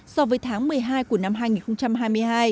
so với tháng một mươi hai của năm hai nghìn hai mươi hai